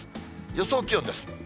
予想気温です。